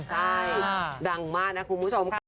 ใช่ดังมากนะคุณผู้ชมค่ะ